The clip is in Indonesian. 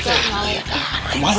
saya juga mau